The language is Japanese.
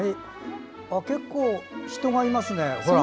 結構、人がいますね。